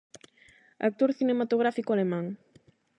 Actor cinematográfico alemán.